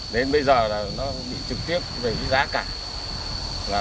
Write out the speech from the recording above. đến bây giờ nó bị trực tiếp về giá cả